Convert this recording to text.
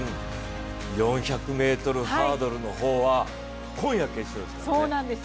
４００ｍハードルの方は今夜、決勝ですね。